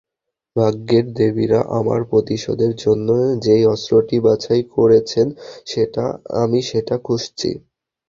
ভাগ্যের দেবীরা আমার প্রতিশোধের জন্য যেই অস্ত্রটি বাছাই করেছেন, আমি সেটা খুঁজছি।